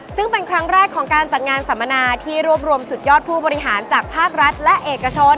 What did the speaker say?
ซึ่งเป็นครั้งแรกของการจัดงานสัมมนาที่รวบรวมสุดยอดผู้บริหารจากภาครัฐและเอกชน